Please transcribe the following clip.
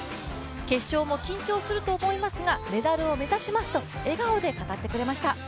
決勝も緊張すると思いますがメダルを目指しますと笑顔で語ってくれました。